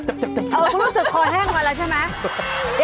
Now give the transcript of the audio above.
เขารู้สึกคอแห้งมาแล้วใช่ไหม